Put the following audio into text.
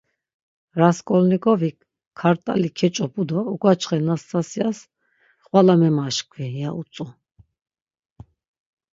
Rasǩolnikovik kart̆ali keç̌opu do uǩaçxe Nastasyas; xvala memaşǩvi, ya utzu.